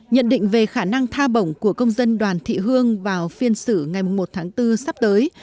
nhận định về khả năng tha bổng của công dân đoàn thị hương vào phiên xử ngày một tháng bốn sắp tới